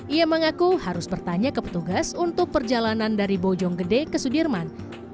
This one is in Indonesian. ia mengaku harus bertanya ke petugas untuk perjalanan dari bojonggede ke sudirman